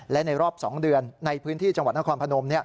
และในรอบ๒เดือนในพื้นที่จังหวัดนครพนม